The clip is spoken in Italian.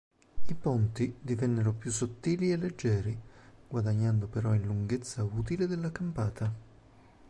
I ponti divennero più sottili e leggeri, guadagnando però in lunghezza utile della campata.